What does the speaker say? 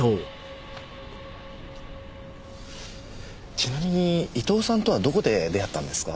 ちなみに伊藤さんとはどこで出会ったんですか？